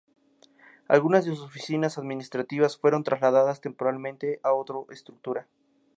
Algunas de sus oficinas administrativas fueron trasladadas temporalmente a otro estructura.